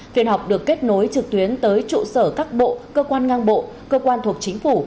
phiên họp được kết nối trực tuyến tới trụ sở các bộ cơ quan ngang bộ cơ quan thuộc chính phủ